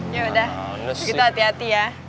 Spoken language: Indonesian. yaudah kita hati hati ya